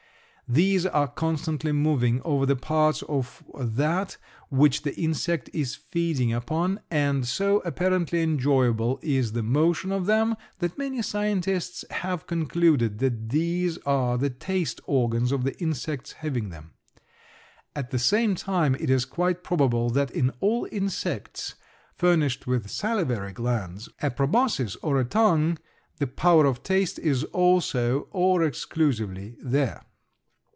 These are constantly moving over the parts of that which the insect is feeding upon, and so apparently enjoyable is the motion of them that many scientists have concluded that these are the taste organs of the insects having them. At the same time it is quite probable that in all insects furnished with salivary glands, a proboscis, or a tongue, the power of taste is also or exclusively there.